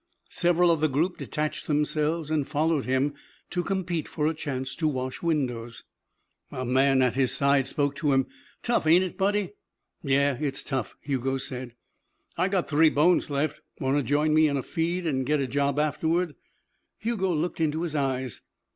Several of the group detached themselves and followed him to compete for a chance to wash windows. A man at his side spoke to him. "Tough, ain't it, buddy?" "Yeah, it's tough," Hugo said. "I got three bones left. Wanna join me in a feed an' get a job afterward?" Hugo looked into his eyes.